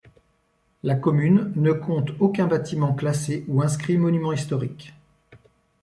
La commune ne compte aucun bâtiment classé ou inscrit monument historique.